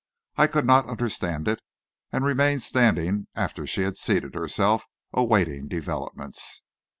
I could not understand it, and remained standing after she had seated herself, awaiting developments.